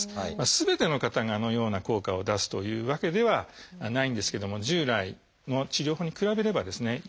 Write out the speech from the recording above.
すべての方があのような効果を出すというわけではないんですけども従来の治療法に比べればですね有効性が高いと。